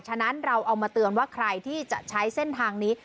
ฉะนั้นเราเอามาเตือนว่าใครที่จะใช้เส้นทางนี้